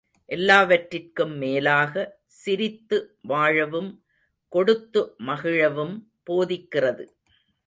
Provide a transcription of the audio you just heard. எல்லாவற்றிற்கும் மேலாக சிரித்துவாழவும் கொடுத்து மகிழவும் போதிக்கிறது.